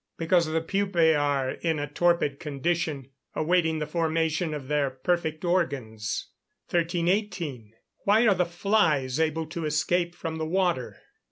_ Because the pupæ are in a torpid condition, awaiting the formation of their perfect organs. 1318. _Why are the flies able to escape from the water?